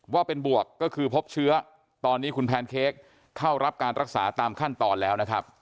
ว่าเป็นบวกก็คือพบเชื้อตอนนี้คุณแพนเค้กเข้ารับการรักษาตามขั้นตอนแล้วนะครับ